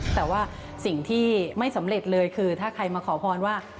แต่ว่าสิ่งที่ไม่สำเร็จเลยคือถ้าใครมาขอพรว่า